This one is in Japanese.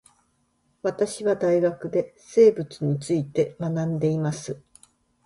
私は大学で生物について学んでいます